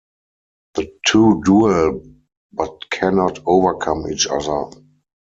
The two duel but cannot overcome each other.